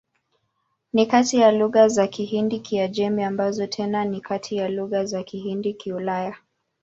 Ni kati ya lugha za Kihindi-Kiajemi, ambazo tena ni kati ya lugha za Kihindi-Kiulaya.